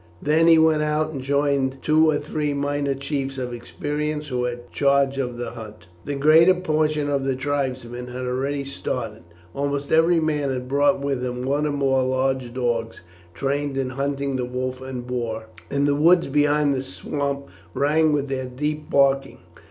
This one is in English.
Then he went out and joined two or three minor chiefs of experience who had charge of the hunt. The greater portion of the tribesmen had already started. Almost every man had brought with him one or more large dogs trained in hunting the wolf and boar, and the woods beyond the swamp rang with their deep barking.